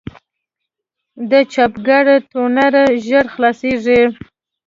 د چاپګر ټونر ژر خلاصېږي.